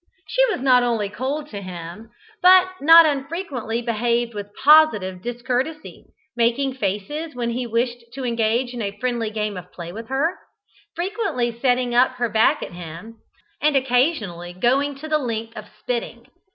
She was not only cold to him, but not unfrequently behaved with positive discourtesy, making faces when he wished to engage in a friendly game of play with her, frequently setting up her back at him, and occasionally going to the length of spitting.